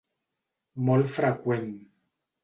Molt freqüent.